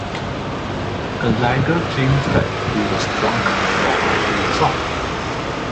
Gallagher claims that he was drunk while writing the song.